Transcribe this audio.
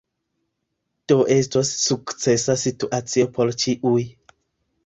Do estos sukcesa situacio por ĉiuj.